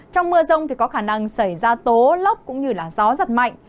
trong mưa rông thì có khả năng xảy ra tố lốc cũng như gió giật mạnh